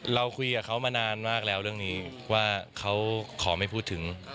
เราคุยกับเขามานานมากแล้วเรื่องนี้ว่าเขาขอไม่พูดถึง